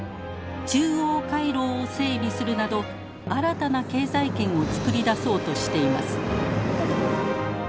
中央回廊を整備するなど新たな経済圏を作り出そうとしています。